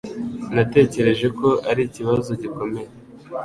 Natekereje ko ari ikibazo gikomeye